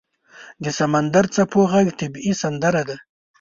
• د سمندر څپو ږغ طبیعي سندره ده.